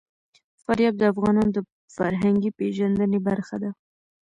فاریاب د افغانانو د فرهنګي پیژندنې برخه ده.